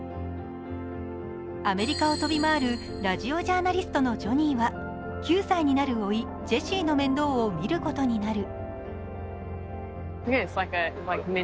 アメリカを飛び回るラジオジャーナリストのジョニーは９歳になるおい、ジェシーの面倒を見ることになる。